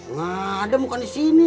ngadem bukan disini